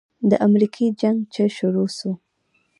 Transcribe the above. د امريکې جنگ چې شروع سو.